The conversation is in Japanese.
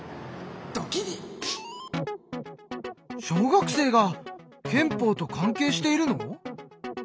小学生が憲法と関係しているの？